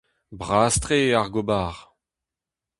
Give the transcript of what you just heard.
Bras-tre eo ar gobar.